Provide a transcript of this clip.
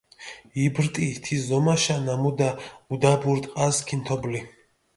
იპრტი თი ზომაშა ნამუდა, უდაბურ ტყას ქიმთობლი.